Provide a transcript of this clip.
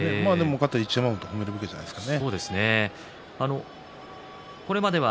勝っている一山本を褒めるべきではないですか？